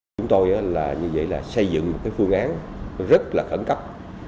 chúng tôi là như vậy là xây dựng một phương án rất là khẩn cấp